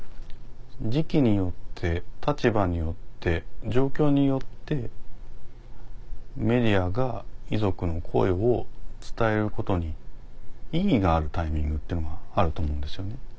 時期によって立場によって状況によってメディアが遺族の声を伝えることに意義があるタイミングってのがあると思うんですよね。